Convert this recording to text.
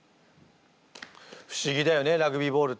不思議だよねラグビーボールって。